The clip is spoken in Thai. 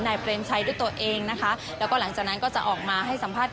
เปรมชัยด้วยตัวเองนะคะแล้วก็หลังจากนั้นก็จะออกมาให้สัมภาษณ์